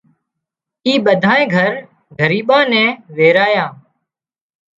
اِي ٻڌانئي گھر ڳريبان نين ويرايان